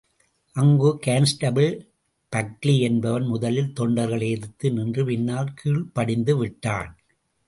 அங்கு constable Buckley என்பவன் முதலில் தொண்டர்களை எதிர்த்து நின்று, பின்னால் கீழ்ப்படிந்து விட்டான்.